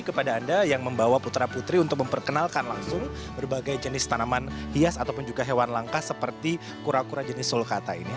kepada anda yang membawa putra putri untuk memperkenalkan langsung berbagai jenis tanaman hias ataupun juga hewan langka seperti kura kura jenis sulkata ini